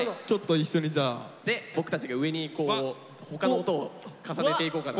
で僕たちが上に他の音を重ねていこうかなって。